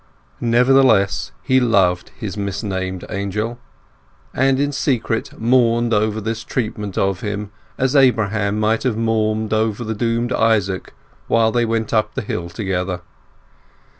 Nevertheless, he loved his misnamed Angel, and in secret mourned over this treatment of him as Abraham might have mourned over the doomed Isaac while they went up the hill together.